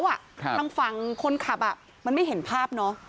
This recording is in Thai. ทางฝั่งคนขับมันไม่เห็นภาพเนอะ